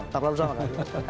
kita penasaran semua